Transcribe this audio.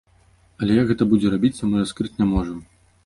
Але як гэта будзе рабіцца, мы раскрыць не можам.